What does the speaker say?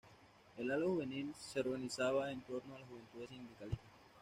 El ala juvenil se organizaba en torno a las Juventudes Sindicalistas.